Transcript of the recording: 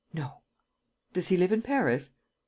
"No." "Does he live in Paris?"